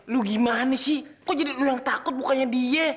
lu gimana sih kok jadi lu yang takut bukannya dia